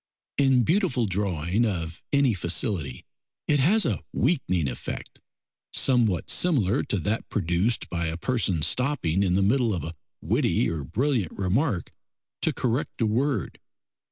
In beautiful drawing of any facility it has a weakening effect, somewhat similar to that produced by a person stopping in the middle of a witty or brilliant remark to correct a word.